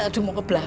aduh mau kebelakang